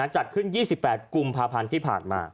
จัดขึ้น๒๘กุมภาพันธ์ที่ผ่านมา